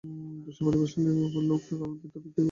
দু-দশ জন প্রতিভাশালী লোক কালে তাদের ভেতর থেকে উঠবেই উঠবে।